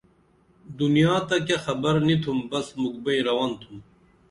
دنیا تہ کیہ خبر نی تُھم بس مُکھ بئیں رون تُھم